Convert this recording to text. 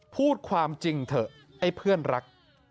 พูดความจริงเถอะไอ้เพื่อนรัก